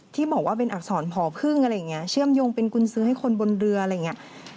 ที่บอกว่าเป็นอักษรผอพึ่งอะไรอย่างนี้เชื่อมโยงเป็นกุญซื้อให้คนบนเรืออะไรอย่างนี้